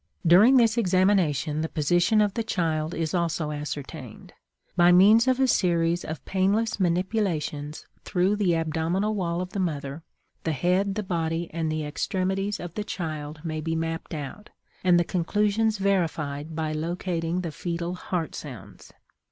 During this examination the position of the child is also ascertained. By means of a series of painless manipulations through the abdominal wall of the mother, the head, the body, and the extremities of the child may be mapped out, and the conclusions verified by locating the fetal heart sounds.